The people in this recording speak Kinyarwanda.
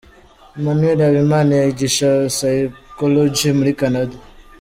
Emmanuel Habimana yigisha psychologie muri Canada.